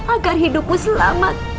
agar hidupmu selamat